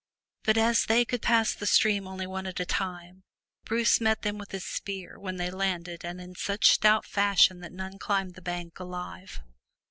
But as they could pass the stream only one at a time, Bruce met them with his spear when they landed and in such stout fashion that none climbed the bank alive.